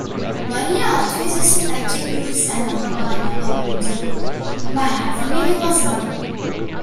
It is generally not a highly damaging infector, but can occasionally corrupt files.